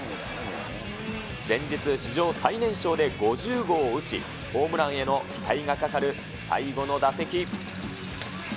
前日、史上最年少で５０号を打ち、ホームランへの期待がかかる最後の打席。